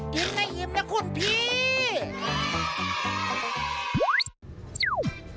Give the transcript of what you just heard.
กินให้หิมนะคุณพี่